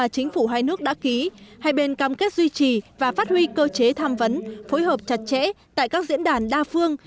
quốc đã ký hai bên cam kết duy trì và phát huy cơ chế tham vấn phối hợp chặt chẽ tại các diễn đàn đa phương